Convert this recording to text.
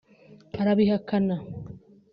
arabihakana